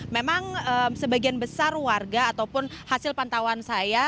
memang sebagian besar warga ataupun hasil pantauan saya